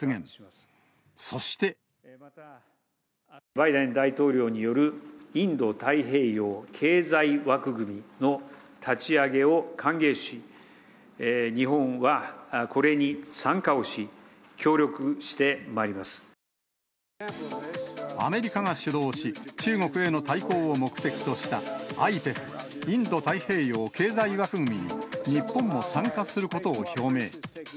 バイデン大統領による、インド太平洋経済枠組みの立ち上げを歓迎し、日本はこれに参加をアメリカが主導し、中国への対抗を目的とした、ＩＰＥＦ・インド太平洋経済枠組みに日本も参加することを表明。